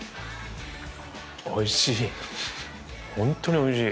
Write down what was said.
おいしい。